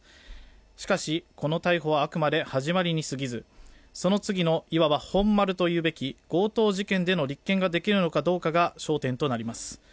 しかしこの逮捕はあくまで始まりに過ぎず、その次の、いわば本丸というべき強盗事件での立件ができるのかどうかが焦点となります。